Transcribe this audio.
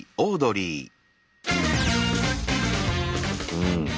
うん。